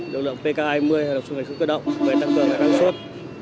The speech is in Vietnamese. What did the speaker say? lực lượng pk hai mươi lực lượng trung hành sức cơ động để tăng cường lại đăng suất